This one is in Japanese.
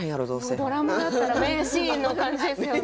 もうドラマだったら名シーンの感じですよね。